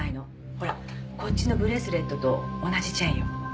ほらこっちのブレスレットと同じチェーンよ。